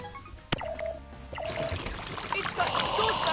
イチカどうした？